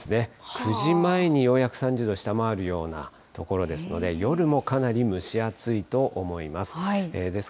９時前にようやく３０度を下回るようなところですので、夜もかなり蒸し暑いと思います。